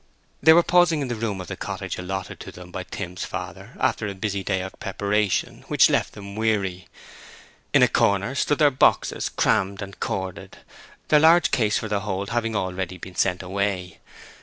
They were pausing in the room of the cottage allotted to them by Tim's father, after a busy day of preparation, which left them weary. In a corner stood their boxes, crammed and corded, their large case for the hold having already been sent away.